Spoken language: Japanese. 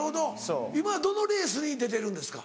今どのレースに出てるんですか？